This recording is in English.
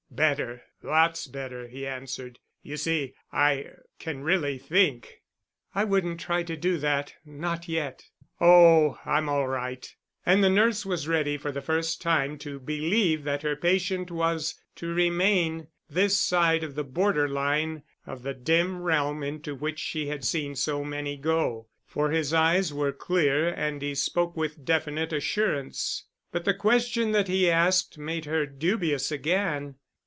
"Better—lots better," he answered; "you see, I can really think——" "I wouldn't try to do that—not yet." "Oh, I'm all right." And the nurse was ready for the first time to believe that her patient was to remain this side of the border line of the dim realm into which she had seen so many go, for his eyes were clear and he spoke with definite assurance. But the question that he asked made her dubious again.